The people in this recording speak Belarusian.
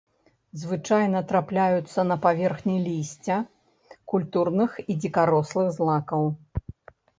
Звычайна трапляюцца на паверхні лісця культурных і дзікарослых злакаў.